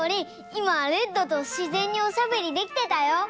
いまレッドとしぜんにおしゃべりできてたよ！